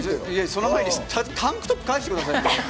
その前にタンクトップ返してくださいよ！